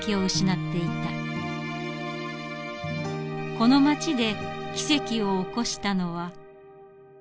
この町で奇跡を起こしたのは。